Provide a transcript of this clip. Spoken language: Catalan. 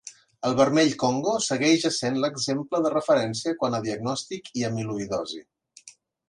El vermell Congo segueix essent l'exemple de referència quant a diagnòstic i amiloïdosi.